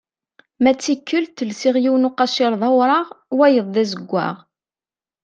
Ma d tikkelt, lsiɣ yiwen uqaciṛ d awraɣ, wayeḍ d azeggaɣ.